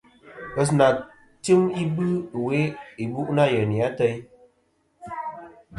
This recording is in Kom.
Ghesɨnà tɨm ibɨ we ìbu' nâ yeyni ateyn.